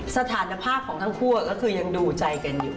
สถานภาพของทั้งคู่ก็คือยังดูใจกันอยู่